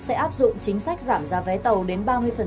sẽ áp dụng chính sách giảm giá vé tàu đến ba mươi